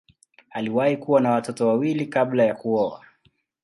Aliwahi kuwa na watoto wawili kabla ya kuoa.